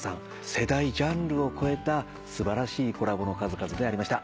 世代ジャンルを超えた素晴らしいコラボの数々でありました。